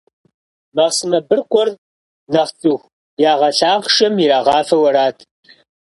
Махъсымэ быркъур нэхъ цӀыху ягъэлъахъшэм ирагъафэу арат.